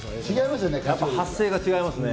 発声が違いますね。